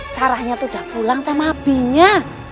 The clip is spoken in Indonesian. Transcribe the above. sarahnya tuh udah pulang sama binya